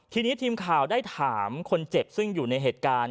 ทีนี้ทีมข่าวได้ถามคนเจ็บซึ่งอยู่ในเหตุการณ์